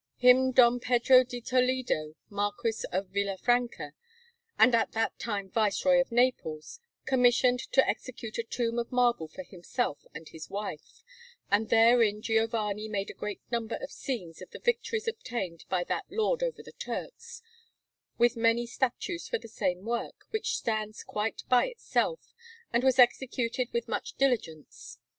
Him Don Pedro di Toledo, Marquis of Villafranca, and at that time Viceroy of Naples, commissioned to execute a tomb of marble for himself and his wife; and therein Giovanni made a great number of scenes of the victories obtained by that lord over the Turks, with many statues for the same work, which stands quite by itself, and was executed with much diligence.